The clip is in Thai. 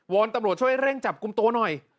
อนตำรวจช่วยเร่งจับกลุ่มตัวหน่อย